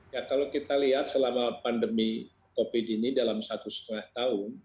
ya kalau kita lihat selama pandemi covid ini dalam satu setengah tahun